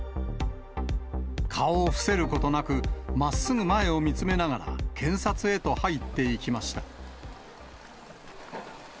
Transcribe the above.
顔を伏せることなく、まっすぐ前を見つめながら検察へと入っていきました。